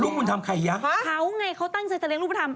ลูกวุฒิธรรมใครยักษ์เขาไงเขาตั้งใจจะเลี้ยงลูกวุฒิธรรม